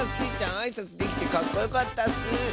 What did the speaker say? あいさつできてかっこよかったッス！